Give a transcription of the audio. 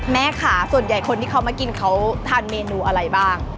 แม่ค่ะส่วนใหญ่คนที่เขามากินเขาทานเมนูอะไรบ้าง